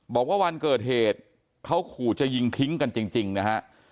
บอกว่าวันเกิดเหตุเขาขู่จะยิงทิ้งกันจริงนะฮะ